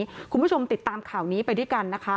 โหดเข้มแบบนี้คุณผู้ชมติดตามข่าวนี้ไปด้วยกันนะคะ